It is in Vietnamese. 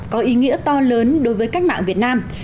có ý nghĩa to lớn đối với cách mạng việt nam